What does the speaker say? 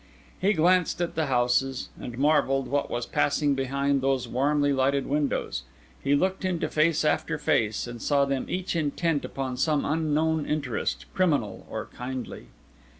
He glanced at the houses, and marvelled what was passing behind those warmly lighted windows; he looked into face after face, and saw them each intent upon some unknown interest, criminal or kindly.